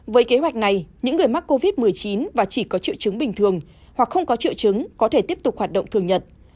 với kế hoạch này những người mắc covid một mươi chín và chỉ có triệu chứng bình thường hoặc không có triệu chứng có thể tiếp tục hoạt động thường nhật